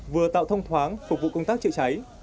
vừa tạo thông thoáng phục vụ công tác chữa cháy